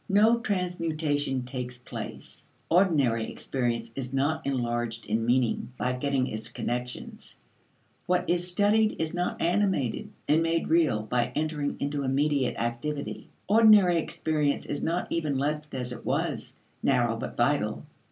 No transmutation takes place; ordinary experience is not enlarged in meaning by getting its connections; what is studied is not animated and made real by entering into immediate activity. Ordinary experience is not even left as it was, narrow but vital.